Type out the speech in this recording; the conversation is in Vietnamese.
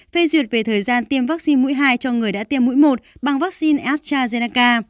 phê duyệt về thời gian tiêm vaccine mũi hai cho người đã tiêm mũi một bằng vaccine astrazeneca